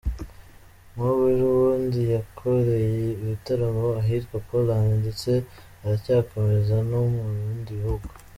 Nk’ubu ejobundi yakoreye ibitaramo ahitwa Portland, ndetse aracyakomeza no mu bindi bihugu.